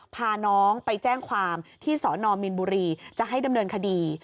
พาน้องไปแจ้งความที่สอนอมมีนบุรีจะให้ดำเนินคดี